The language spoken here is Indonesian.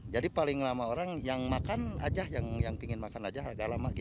jadi paling lama orang yang makan saja yang ingin makan saja agak lama